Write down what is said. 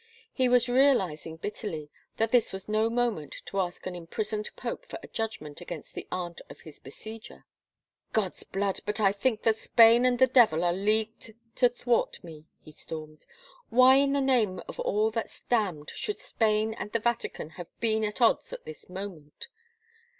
He was realizing bitterly that this was no moment to ask an imprisoned pope for a judgment against the aunt of his besieger. " God's blood, but I think that Spain and the devil are leagued to thwart me," he stormed. " Why in the name of all that's damned should Spain and the Vatican have been at odds at this moment